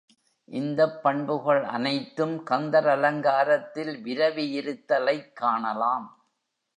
இந்தப் பண்புகள் அனைத்தும் கந்தர் அலங்காரத்தில் விரவியிருத்தலைக் காணலாம்.